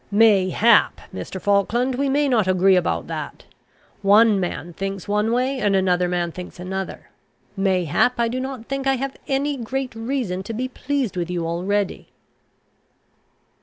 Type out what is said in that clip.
"Mayhap, Mr. Falkland, we may not agree about that. One man thinks one way, and another man thinks another. Mayhap I do not think I have any great reason to be pleased with you already."